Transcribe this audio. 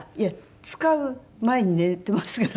使う前に寝てますから。